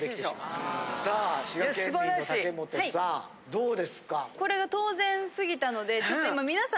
どうですか。